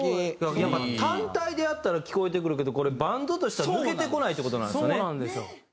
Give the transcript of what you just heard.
やっぱ単体でやったら聴こえてくるけどこれバンドとしては抜けてこないって事なんですよね。